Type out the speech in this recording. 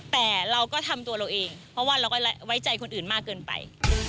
แต่เราก็ทำตัวเราเองเพราะว่าเราก็ไว้ใจคนอื่นมากเกินไป